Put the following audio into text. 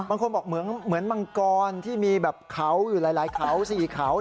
บางคนบอกเหมือนมังกรที่มีแบบเขาอยู่หลายเขา๔เขา